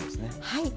はい。